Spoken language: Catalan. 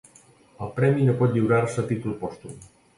El premi no pot lliurar-se a títol pòstum.